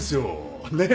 ねえ？